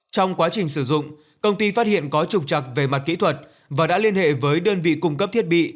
trong quá trình sử dụng công ty phát hiện có trục trặc về mặt kỹ thuật và đã liên hệ với đơn vị cung cấp thiết bị